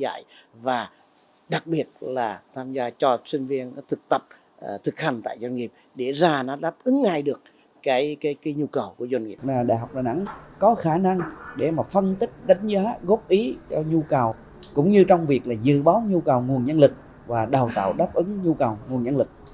đại học đà nẵng có khả năng để phân tích đánh giá góp ý cho nhu cầu cũng như trong việc dự bó nhu cầu nguồn nhân lực và đào tạo đáp ứng nhu cầu nguồn nhân lực